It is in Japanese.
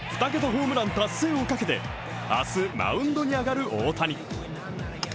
ホームラン達成をかけて明日マウンドに上がる大谷。